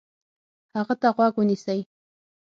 هغه ته غوږ ونیسئ،